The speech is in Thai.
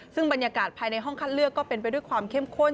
ซึ่งบรรยากาศภายในห้องคัดเลือกก็เป็นไปด้วยความเข้มข้น